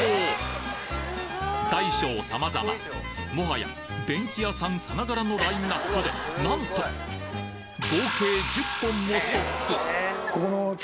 大小様々もはや電気屋さんさながらのラインナップでなんと合計真っ暗闇の中